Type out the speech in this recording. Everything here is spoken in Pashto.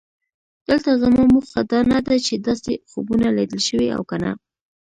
دلته زما موخه دا نه ده چې داسې خوبونه لیدل شوي او که نه.